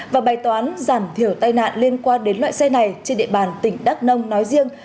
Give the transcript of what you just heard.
và bài toán giảm thiểu tai nạn liên quan đến loại xe này trên địa bàn tỉnh đắk nông nói riêng